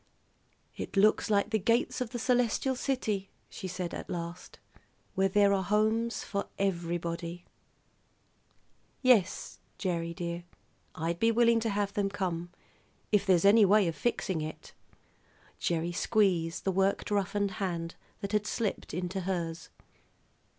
"It looks like the gates of the celestial city," she said at last, "where there are homes for everybody. Yes, Gerry, dear, I'd be willing to have them come, if there's anyway of fixing it." Gerry squeezed the work roughened hand that had slipped into hers.